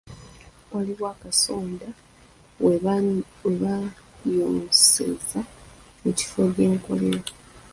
Waliwo akasonda we bayonseza mu kifo gye nkolera.